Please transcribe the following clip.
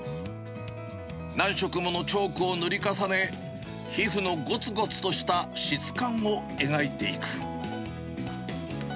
何色ものチョークを塗り重ね、皮膚のごつごつとした質感を描いていく。